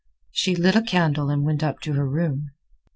She lit a candle and went up to her room.